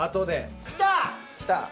きた！